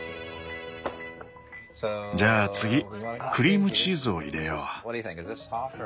じゃあ次クリームチーズを入れよう。